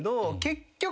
結局。